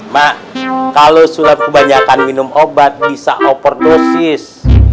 mak kalau sulap kebanyakan minum obat bisa overdosis